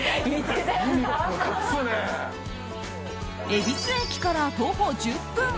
恵比寿駅から徒歩１０分。